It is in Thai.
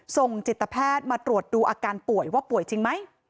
ส่งจิตแพทย์มาตรวจดูอาการป่วยว่าป่วยจริงไหม